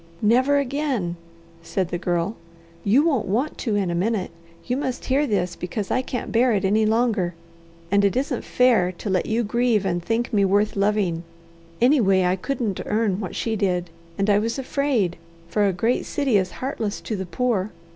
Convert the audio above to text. "Never again," said the Girl. "You won't want to in a minute. You must hear this, because I can't bear it any longer, and it isn't fair to let you grieve and think me worth loving. Anyway, I couldn't earn what she did, and I was afraid, for a great city is heartless to the poor.